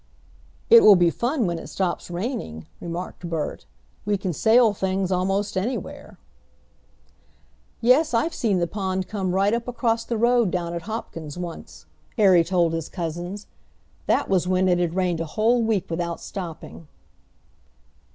"It will be fun when it stops raining," remarked Bert. "We can sail things almost anywhere." "Yes, I've seen the pond come right up across the road down at Hopkins' once," Harry told his cousins. "That was when it had rained a whole week without stopping."